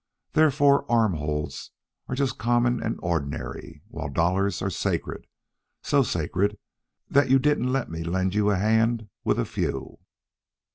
Therefore arm holds are just common and ordinary, while dollars are sacred so sacred that you didn't let me lend you a hand with a few.